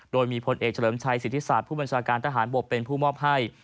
โดยมีพลเอกเฉลิมชัยสิทธิศาสตร์ผู้บัญชาการทหารบกเป็นผู้มอบให้